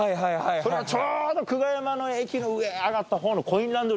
そのちょうど久我山の駅の上上がったほうの。